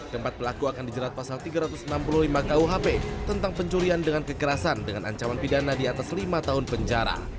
keempat pelaku akan dijerat pasal tiga ratus enam puluh lima kuhp tentang pencurian dengan kekerasan dengan ancaman pidana di atas lima tahun penjara